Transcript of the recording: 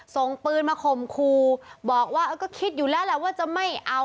ส่งปืนมาข่มครูบอกว่าก็คิดอยู่แล้วแหละว่าจะไม่เอา